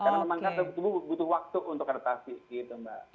karena memang kan tubuh butuh waktu untuk adaptasi gitu mbak